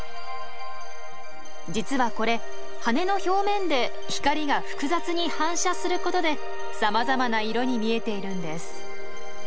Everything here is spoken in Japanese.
実はこれ羽の表面で光が複雑に反射することでさまざまな色に見えているんです。